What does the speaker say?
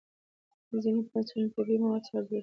ځینې پنسلونه د طبیعي موادو څخه جوړېږي.